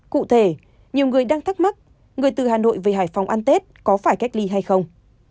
cụ thể nhiều người đang thắc mắc người từ hà nội về hải phòng ăn tết có phải cách ly hay không